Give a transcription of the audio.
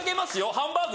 ハンバーグ！